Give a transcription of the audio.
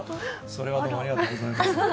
それはどうもありがとうございます。